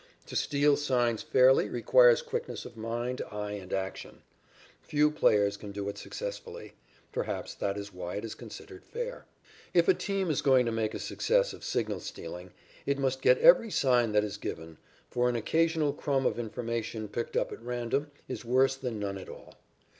To steal signs fairly requires quickness of mind, eye and action. Few players can do it successfully. Perhaps that is why it is considered fair. If a team is going to make a success of signal stealing it must get every sign that is given, for an occasional crumb of information picked up at random is worse than none at all.